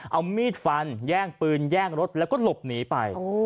เอามีดฟันแย่งปืนแย่งรถแล้วก็หลบหนีไป